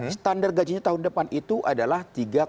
standar gajinya tahun depan itu adalah tiga sembilan